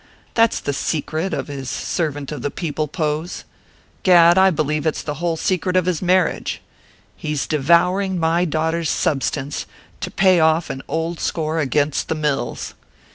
That's the secret of his servant of the people pose gad, I believe it's the whole secret of his marriage! He's devouring my daughter's substance to pay off an old score against the mills.